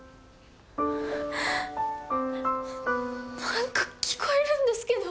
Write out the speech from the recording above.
何か聞こえるんですけど！？